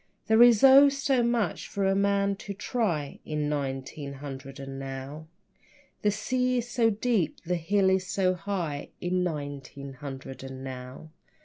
There is oh, so much for a man to try In nineteen hundred and now. The sea is so deep and the hill so high In nineteen hundred and now.